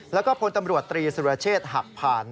แล้วก็พลตำรวจตรีสุรเชษฐ์หักผ่าน